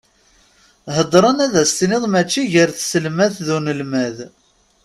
Heddren ad as-tiniḍ mačči gar tselmadt d unelmad.